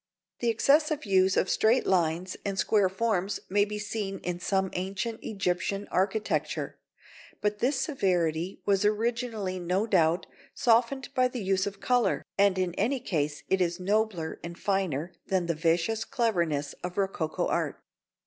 The excessive use of straight lines and square forms may be seen in some ancient Egyptian architecture, but this severity was originally, no doubt, softened by the use of colour, and in any case it is nobler and finer than the vicious cleverness of rococo art.